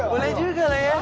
boleh juga leh